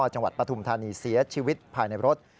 จังหวัดปฐุมธานีเสียชีวิตภายในรถ